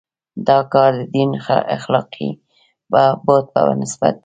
دا کار د دین اخلاقي بعد په نسبت دی.